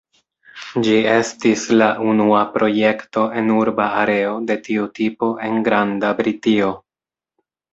Ĝi estis la unua projekto en urba areo de tiu tipo en Granda Britio.